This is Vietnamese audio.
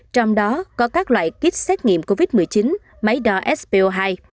trong đó có các loại kit xét nghiệm covid một mươi chín máy đo spo hai